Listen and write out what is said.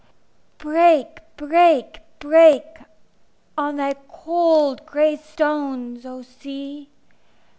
Break, break, break, On thy cold gray stones, O Sea!